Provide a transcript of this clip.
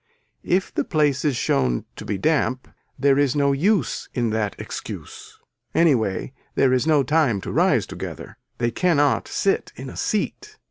If the place is shown to be damp there is no use in that excuse. Anyway there is no time to rise together. They cannot sit in a seat.